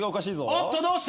おっとどうした？